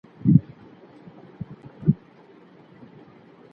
ولي محنتي ځوان د هوښیار انسان په پرتله لوړ مقام نیسي؟